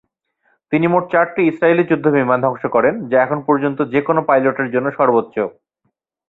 তিনি মোট চারটি ইসরায়েলি যুদ্ধবিমান ধ্বংস করেন, যা এখন পর্যন্ত যেকোনো পাইলটের জন্য সর্বোচ্চ।